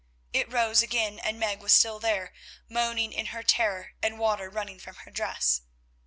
It rose again and Meg was still there, moaning in her terror and water running from her dress.